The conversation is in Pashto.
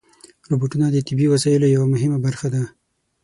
روبوټونه د طبي وسایلو یوه مهمه برخه ده.